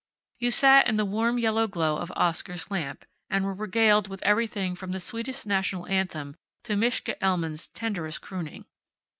You sat in the warm yellow glow of Oscar's lamp and were regaled with everything from the Swedish National Anthem to Mischa Elman's tenderest crooning.